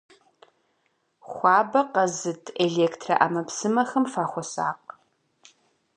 Хуабэ къэзыт электроӏэмэпсымэхэм фахуэсакъ.